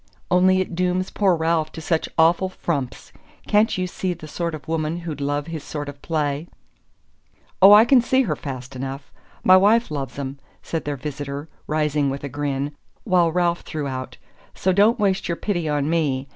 "Only it dooms poor Ralph to such awful frumps. Can't you see the sort of woman who'd love his sort of play?" "Oh, I can see her fast enough my wife loves 'em," said their visitor, rising with a grin; while Ralph threw, out: "So don't waste your pity on me!"